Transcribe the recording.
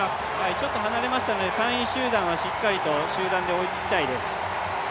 ちょっと離れましたので３位集団はしっかりと集団で追いつきたいです。